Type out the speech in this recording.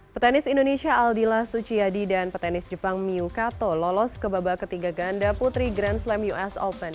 petenis indonesia aldila suciadi dan petenis jepang miyu kato lolos ke babak ketiga ganda putri grand slam us open